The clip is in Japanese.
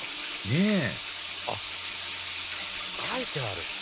ねぇあっ書いてある。